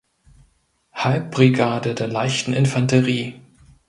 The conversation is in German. Halbbrigade der leichten Infanterie.